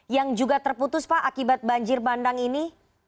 yang juga terputus pak akibat banjir bandang ini